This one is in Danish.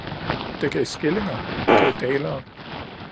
Det gav skillinger, det gav dalere